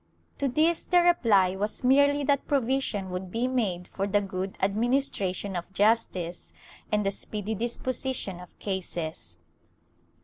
To this the reply was merely that provision would be made for the good administration of justice and the speedy dispo sition of cases.